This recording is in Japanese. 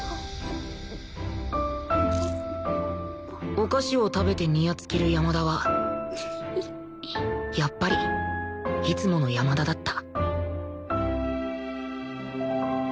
お菓子を食べてニヤつける山田はやっぱりいつもの山田だった